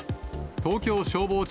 東京消防庁